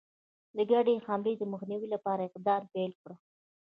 د ګډي حملې د مخنیوي لپاره اقدام پیل کړ.